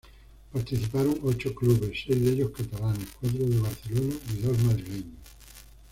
Participaron ocho clubes, seis de ellos catalanes —cuatro de Barcelona— y dos madrileños.